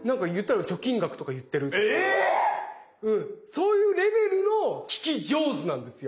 ⁉そういうレベルの聞き上手なんですよ。